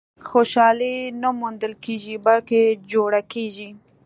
• خوشالي نه موندل کېږي، بلکې جوړه کېږي.